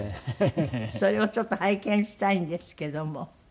それをちょっと拝見したいんですけども。